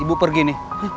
ibu pergi nih